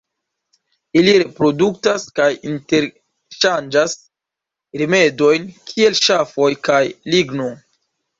Ili produktas kaj interŝanĝas rimedojn kiel ŝafoj kaj ligno.